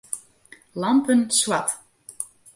Lampen swart.